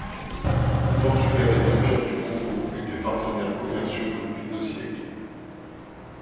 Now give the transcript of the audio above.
Le Portugal et l'empire du Kongo étaient partenaires commerciaux depuis deux siècles.